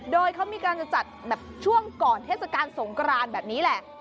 โดยเขามีการจะจัดแบบช่วงก่อนเทศกาลสงกรานแบบนี้แหละ